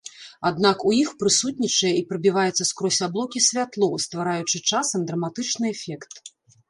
Аднак у іх прысутнічае і прабіваецца скрозь аблокі святло, ствараючы часам драматычны эфект.